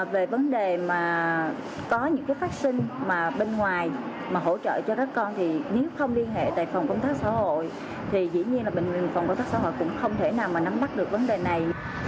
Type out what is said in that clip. về vấn đề mà có những cái phát sinh mà bên ngoài mà hỗ trợ cho các con thì nếu không liên hệ tại phòng công tác xã hội thì dĩ nhiên là bệnh viện phòng công tác xã hội cũng không thể nào mà nắm bắt được vấn đề này